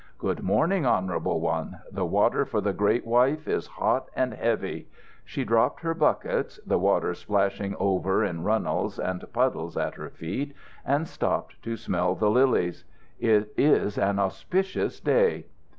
"Good morning, Honourable One. The water for the great wife is hot and heavy." She dropped her buckets, the water splashing over in runnels and puddles at her feet, and stooped to smell the lilies. "It is an auspicious day."